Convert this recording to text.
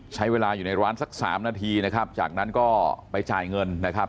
ใช้เวลาอยู่ในร้านสักสามนาทีนะครับจากนั้นก็ไปจ่ายเงินนะครับ